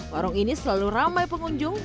warung ini selalu ramai pengunjung